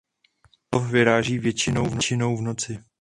Na lov vyráží většinou v noci.